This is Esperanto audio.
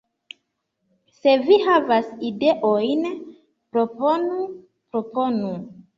Se vi havas ideojn, proponu, proponu.